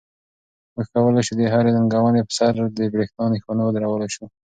موږ کولی شو د هرې ننګونې په سر د بریا نښانونه ودرولای شو.